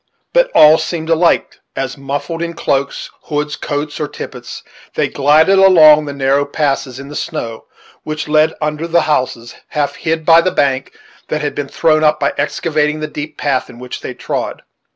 But all seemed alike, as muffled in cloaks, hoods, coats, or tippets, they glided along the narrow passages in the snow which led under the houses, half hid by the bank that had been thrown up in excavating the deep path in which they trod.